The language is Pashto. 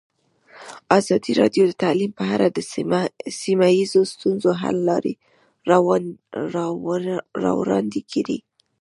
ازادي راډیو د تعلیم په اړه د سیمه ییزو ستونزو حل لارې راوړاندې کړې.